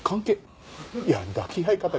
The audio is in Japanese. いや抱き合い方が。